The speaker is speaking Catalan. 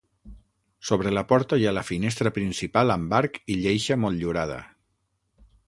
Sobre la porta hi ha la finestra principal amb arc i lleixa motllurada.